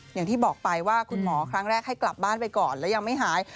อย่างที่บอกไปว่าคุณหมอครั้งแรกให้กลับบ้านไปก่อนแล้วยังไม่หาย